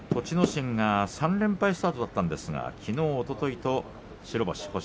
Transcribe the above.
心が３連敗スタートだったんですがきのう、おとといと白星。